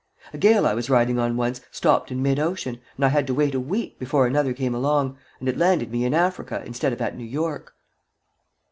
A gale I was riding on once stopped in mid ocean, and I had to wait a week before another came along, and it landed me in Africa instead of at New York."